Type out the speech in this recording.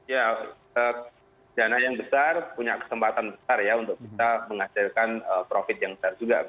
ya dana yang besar punya kesempatan besar ya untuk kita menghasilkan profit yang besar juga